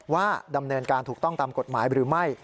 ว่าดำเนินการถูกต้องตามกฎหมายหรือไม่